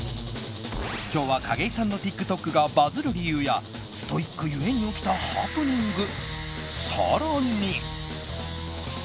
今日は、景井さんのＴｉｋＴｏｋがバズる理由やストイック故に起きたハプニング。